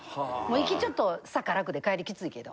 行きちょっと坂楽で帰りキツイけど。